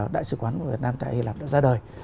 đại sứ quán của việt nam tại hy lạp đã ra đời